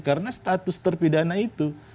karena status terpidana itu